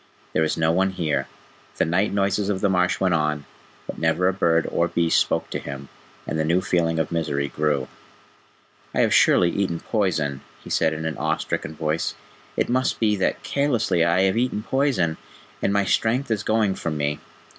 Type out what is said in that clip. "There is no one here." The night noises of the marsh went on, but never a bird or beast spoke to him, and the new feeling of misery grew. "I have surely eaten poison," he said in an awe stricken voice. "It must be that carelessly I have eaten poison, and my strength is going from me.